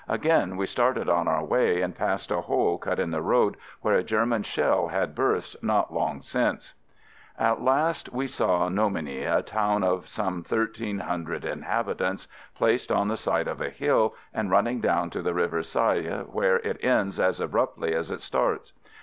Again we started on our way and passed a hole cut in the road where a German shell had burst not long since. 138 AMERICAN AMBULANCE At last we saw Nomeny — a town of some thirteen hundred inhabitants, placed on the side of a hill and running down to the river Seille, where it ends as abruptly as it starts.